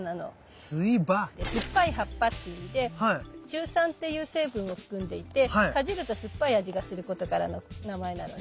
酸っぱい葉っぱっていう意味でシュウ酸っていう成分を含んでいてかじると酸っぱい味がすることからの名前なのね。